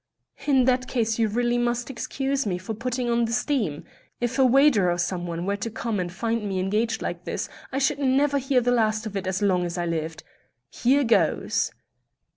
"In that case you really must excuse me for putting on the steam. If a waiter or someone were to come and find me engaged like this, I should never hear the last of it as long as I lived. Here goes!"